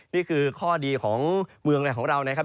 นี่คือข้อดีของเมืองในของเรานะครับ